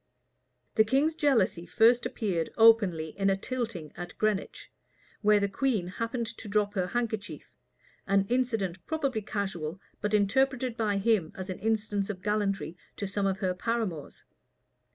The king's jealousy first appeared openly in a tilting at Greenwich, where the queen happened to drop her handkerchief, an incident probably casual, but interpreted by him as an instance of gallantry to some of her paramours.